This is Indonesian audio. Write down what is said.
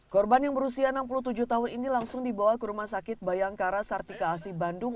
korban yang berusia enam puluh tujuh tahun ini langsung dibawa ke rumah sakit bayangkara sartika asi bandung